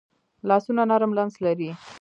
لاسونه نرم لمس لري